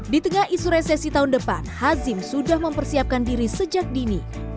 di tengah isu resesi tahun depan hazim sudah mempersiapkan diri sejak dini